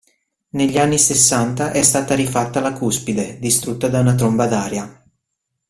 Negli anni sessanta è stata rifatta la cuspide, distrutta da una tromba d'aria.